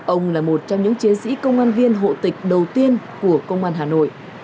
ông là một trong những chiến sĩ công an viên hộ tịch đầu tiên của công an hà nội